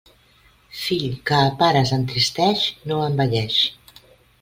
Fill que a pares entristeix, no envelleix.